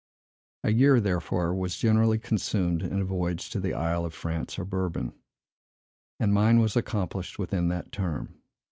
A year, therefore, was generally consumed in a voyage to the Isle of France or Bourbon; and mine was accomplished within that term.